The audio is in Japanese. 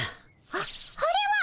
あっあれは！